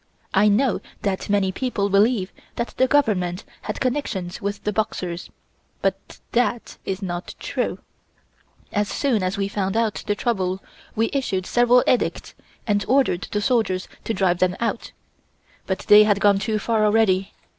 I know that many people believe that the Government had connections with the Boxers, but that is not true. As soon as we found out the trouble we issued several Edicts, and ordered the soldiers to drive them out, but they had gone too far already.